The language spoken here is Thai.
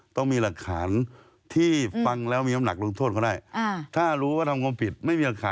ต้องมีหลักฐานที่ฟังแล้วมีอำนักลงโทษก็ได้